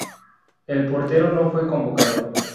El portero no fue convocado.